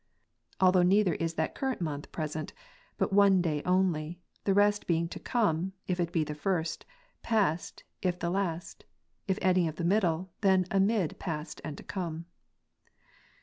Although neither is that current month present; but one day only; the rest being to come, if it be the first ; past, if the last ; if any of the middle, then amid past and to come.